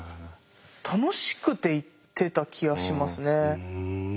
楽しくて行ってた気がしますね。